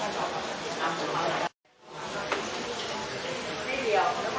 สวัสดีครับสวัสดีครับ